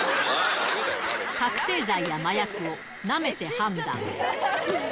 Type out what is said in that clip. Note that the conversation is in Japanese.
覚醒剤や麻薬をなめて判断。